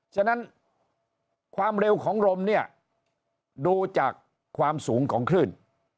ฉะนั้นความเร็วของลมเนี่ยดูจากความสูงของคลื่น